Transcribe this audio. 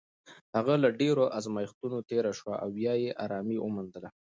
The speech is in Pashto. هغه له ډېرو ازمېښتونو تېره شوه او بیا یې ارامي وموندله.